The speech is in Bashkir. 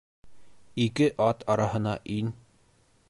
Ике ат араһына ин.